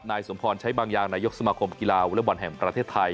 นายสมพรใช้บางอย่างนายกสมาคมกีฬาวอเล็กบอลแห่งประเทศไทย